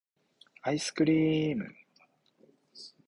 愛♡スクリ～ム!